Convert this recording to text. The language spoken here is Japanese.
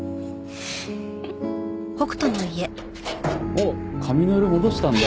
おっ髪の色戻したんだ。